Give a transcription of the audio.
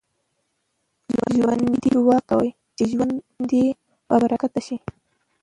ژوندي دعا کوي چې ژوند يې بابرکته شي